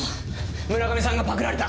村上さんがパクられた。